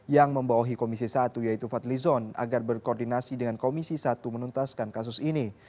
yang membawahi komisi satu yaitu fadli zon agar berkoordinasi dengan komisi satu menuntaskan kasus ini